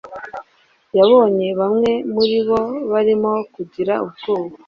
yabonye bamwe muri bo barimo kugira ubwoba